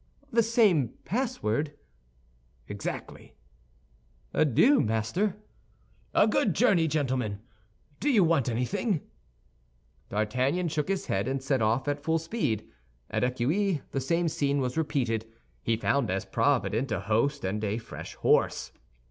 "The same password?" "Exactly." "Adieu, master!" "A good journey, gentlemen! Do you want anything?" D'Artagnan shook his head, and set off at full speed. At Eccuis, the same scene was repeated. He found as provident a host and a fresh horse.